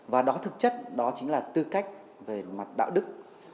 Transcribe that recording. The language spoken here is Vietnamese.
và đó thực chất đó chính là tư cách về mặt đạo đức